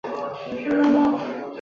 永贞是唐顺宗的年号。